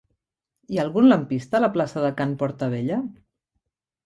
Hi ha algun lampista a la plaça de Can Portabella?